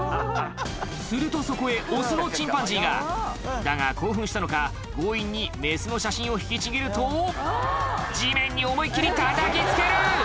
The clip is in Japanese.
するとそこへオスのチンパンジーがだが興奮したのか強引にメスの写真を引きちぎると地面に思い切りたたきつける！